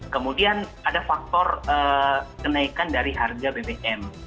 kemudian ada faktor kenaikan dari harga bbm